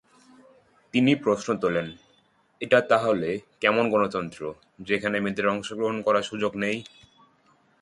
তিনি প্রশ্ন তোলেন, এটা তাহলে কেমন গণতন্ত্র, যেখানে মেয়েদের অংশগ্রহণের সুযোগ নেই।